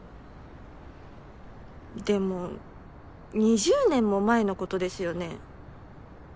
でも２０年も前のことですよね？